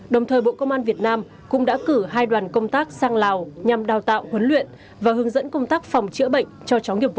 đồng thời bộ công an việt nam cũng đã cử hai đoàn công tác sang lào nhằm đào tạo huấn luyện và hướng dẫn công tác phòng chữa bệnh cho chó nghiệp vụ